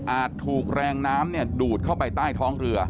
ถูกแรงน้ำดูดเข้าไปใต้ท้องเรือ